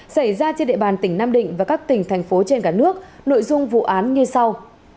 xảy ra trên địa bàn tỉnh nam định và các tỉnh thành phố trên cả nước nội dung vụ án như sau